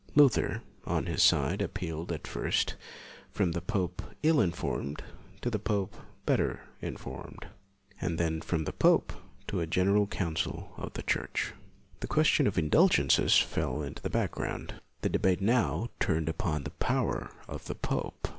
Luther, on his side, appealed, at first, from the pope ill informed to the pope better informed, and then from the pope i 4 LUTHER to a general council of the Church. The question of indulgences fell into the back ground. The debate now turned upon the power of the pope.